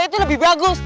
itu lebih bagus